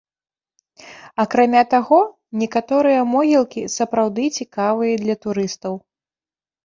Акрамя таго, некаторыя могілкі сапраўды цікавыя для турыстаў.